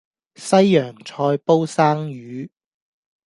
西洋菜煲生魚